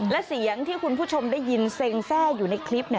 และเสียงที่คุณผู้ชมได้ยินเซ็งแทร่อยู่ในคลิป